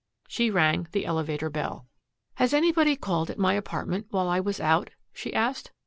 She rang the elevator bell. "Has anybody called at my apartment while I was out?" she asked.